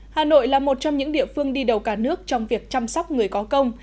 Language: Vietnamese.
hà nội là một trong những địa phương đi đầu cả nước trong việc chăm sóc người có công